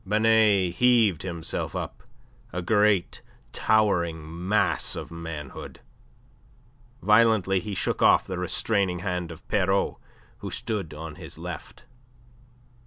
Binet heaved himself up, a great towering mass of manhood. Violently he shook off the restraining hand of Pierrot who sat on his left.